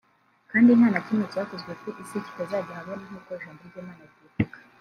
Kandi nta na kimwe cyakozwe ku isi kitazajya ahabona nk’uko ijambo ry ‘Imana ribivuga